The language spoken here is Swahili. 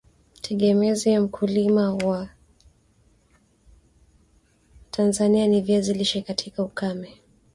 tegemezi ya mkulima wa Tanzania ni viazi lishe katika ukame